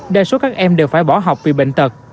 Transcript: đa số các em đều phải bỏ học vì bệnh tật